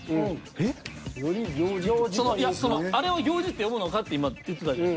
いやあれを行事って呼ぶのか？って今言ってたじゃない。